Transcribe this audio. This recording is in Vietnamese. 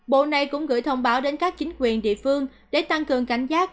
bộ này cũng gửi thông báo đến các chính quyền địa phương để tăng cường cảnh giác